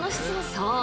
そう！